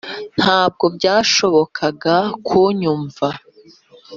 ntabwo byashobokaga kunyumva